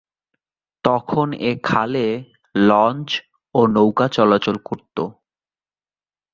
তখন এ খালে লঞ্চ ও নৌকা চলাচল করত।